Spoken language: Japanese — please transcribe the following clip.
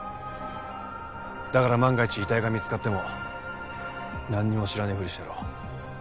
だから万が一遺体が見つかってもなんにも知らねえふりをしろ。